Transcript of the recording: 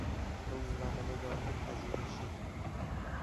روزنامهنگاری پژوهشی